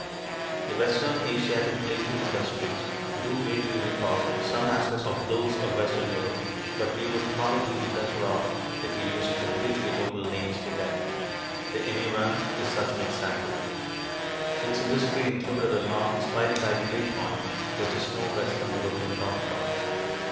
The western Asiatic blade tool industries do vaguely recall some aspects of those of western Europe, but we would probably be better off if we used completely local names for them. The "Emiran" of my chart is such an example; its industry includes a long spike like blade point which has no western European counterpart.